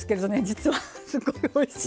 実はすごいおいしいので。